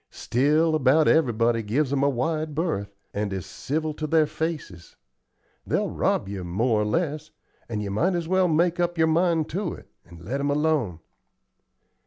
Still about everybody gives 'em a wide berth, and is civil to their faces. They'll rob you more or less, and you might as well make up your mind to it, and let 'em alone."